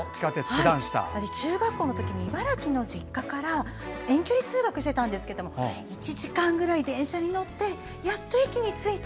中学校のときに茨城の実家から遠距離通学してたんですけども１時間ぐらい、電車に乗ってやっと駅に着いた。